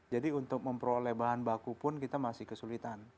jadi untuk memperoleh bahan baku pun kita masih kesulitan